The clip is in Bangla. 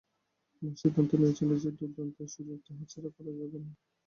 মা সিদ্ধান্ত নিয়েছিল যে দুর্দান্ত এই সুযোগটি হাতছাড়া করা যাবে না।